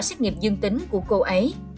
xét nghiệm dương tính của cô ấy